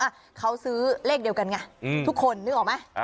อ่ะเขาซื้อเลขเดียวกันไงทุกคนนึกออกไหม